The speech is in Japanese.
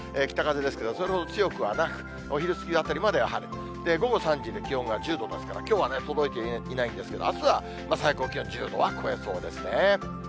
北風ですけど、それほど強くはなく、お昼過ぎあたりまでは晴れて、午後３時で気温が１０度ですから、きょうは届いていないんですけど、あすは最高気温、１０度は超えそうですね。